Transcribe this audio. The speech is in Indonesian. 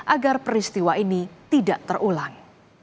agar peristiwa ini tidak terulang